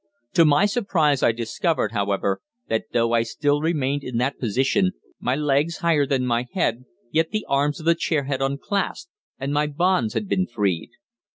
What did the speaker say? To my surprise, I discovered, however, that though I still remained in that position, my legs higher than my head, yet the arms of the chair had unclasped, and my bonds had been freed!